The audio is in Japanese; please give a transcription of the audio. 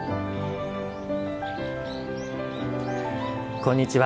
こんにちは。